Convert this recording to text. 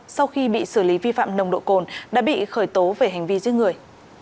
sau khi bị xử lý vi phạm nồng độ cồn đã bị khởi tố về hành vi giết người